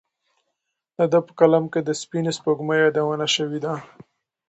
د ده په کلام کې د سپینې سپوږمۍ یادونه شوې ده.